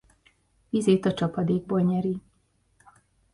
Vizét a csapadékból nyeri.